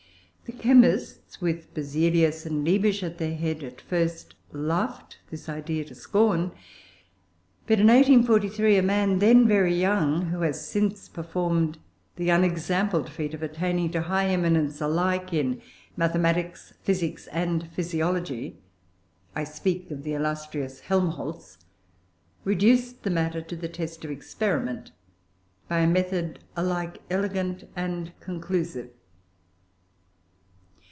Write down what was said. The chemists, with Berzelius and Liebig at their head, at first laughed this idea to scorn; but in 1843, a man then very young, who has since performed the unexampled feat of attaining to high eminence alike in Mathematics, Physics, and Physiology I speak of the illustrious Helmholtz reduced the matter to the test of experiment by a method alike elegant and conclusive.